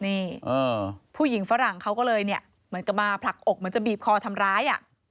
นี่ผู้หญิงฝรั่งเขาก็เลยเนี่ยเหมือนกับมาผลักอกเหมือนจะบีบคอทำร้าย